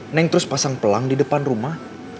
neng terus pasang pelang di depan rumah